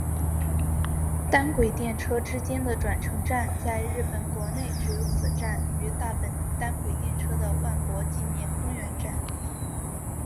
单轨电车之间的转乘站在日本国内只有此站与大阪单轨电车的万博纪念公园站。